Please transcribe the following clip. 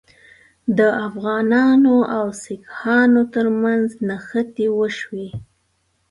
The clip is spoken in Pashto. د افغانانو او سیکهانو ترمنځ نښتې وشوې.